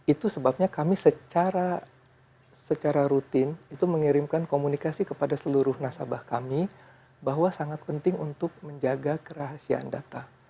itu sebabnya kami secara rutin itu mengirimkan komunikasi kepada seluruh nasabah kami bahwa sangat penting untuk menjaga kerahasiaan data